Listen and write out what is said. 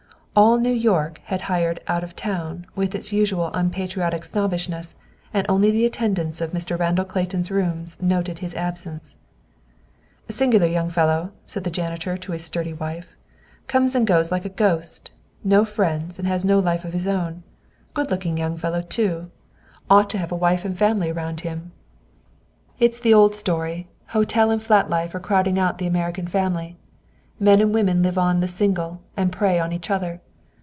"All New York" had hied "out of town" with its usual unpatriotic snobbishness, and only the attendants of Mr. Randall Clayton's rooms noted his absence. "Singular young fellow," said the janitor to his sturdy wife. "Comes and goes like a ghost; no friends, and has no life of his own. Good looking young fellow, too. Ought to have a wife and family around him. "It's the old story: hotel and flat life are crowding out the American family. Men and women live on the single, and prey on each other.